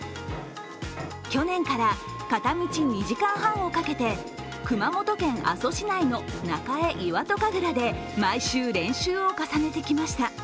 去年から片道２時間半をかけて熊本県阿蘇市内の中江岩戸神楽で、毎週練習を重ねてきました。